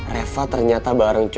reva ternyata baru